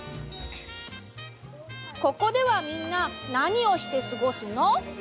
ここではみんななにをしてすごすの？